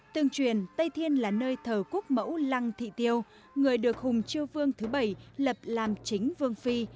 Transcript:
tương truyền tây thiên là nơi thờ quốc mẫu lăng thị tiêu người được hùng chiêu vương thứ bảy lập làm chính vương phi